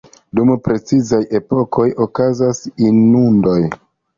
Dum precizaj epokoj okazas inundoj.